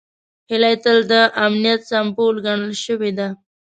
هیلۍ تل د امن سمبول ګڼل شوې ده